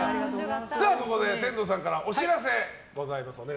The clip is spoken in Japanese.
ここで天童さんからお知らせがございます。